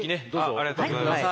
ありがとうございます。